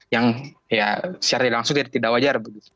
yang secara langsung tidak wajar begitu